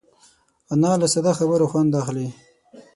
انا له ساده خبرو خوند اخلي